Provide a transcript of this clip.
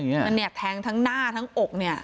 มันเนี่ยแทงทั้งหน้าทั้งอกเนี่ย